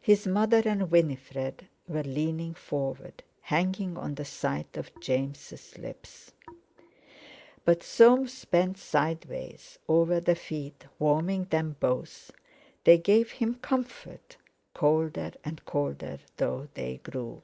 His mother and Winifred were leaning forward, hanging on the sight of James' lips. But Soames bent sideways over the feet, warming them both; they gave him comfort, colder and colder though they grew.